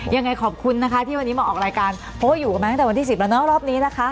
ยังไงขอบคุณนะคะที่วันนี้มาออกรายการเพราะว่าอยู่กันมาตั้งแต่วันที่๑๐แล้วเนอะรอบนี้นะคะ